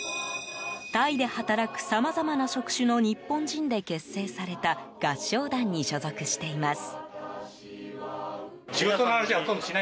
タイで働くさまざまな職種の日本人で結成された合唱団に所属しています。